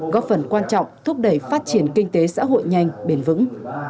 góp phần quan trọng thúc đẩy phát triển kinh tế xã hội nhanh bền vững